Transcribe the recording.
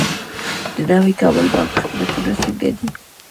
د نوي کابل بانک خدمتونه څنګه دي؟